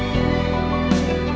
kuyakin kau tahu